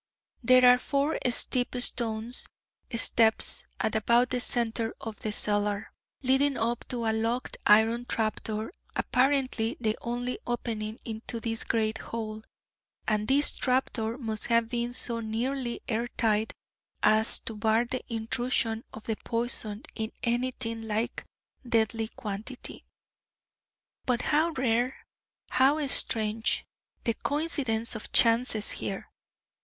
There are four steep stone steps at about the centre of the cellar, leading up to a locked iron trap door, apparently the only opening into this great hole: and this trap door must have been so nearly air tight as to bar the intrusion of the poison in anything like deadly quantity. But how rare how strange the coincidence of chances here.